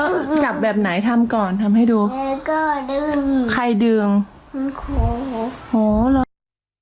แล้วจับแบบไหนทำก่อนทำให้ดูใครดึงโอ้โฮแล้ว